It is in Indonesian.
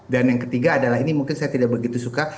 dan yang ketiga adalah ini mungkin saya tidak begitu suka